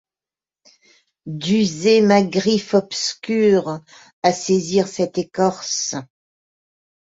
D’user ma griffe obscure à saisir cette écorce